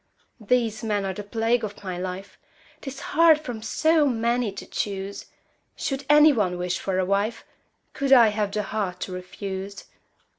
These men are the plague of my life: 'Tis hard from so many to choose! Should any one wish for a wife, Could I have the heart to refuse?